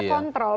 tidak ada kontrol